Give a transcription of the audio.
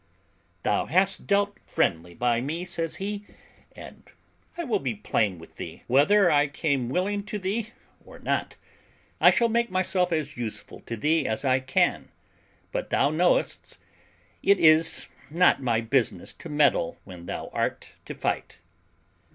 "Thou hast dealt friendly by me," says he, "and I will be plain with thee, whether I came willingly to thee or not. I shall make myself as useful to thee as I can, but thou knowest it is not my business to meddle when thou art to fight."